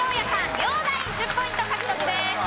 両ナイン１０ポイント獲得です。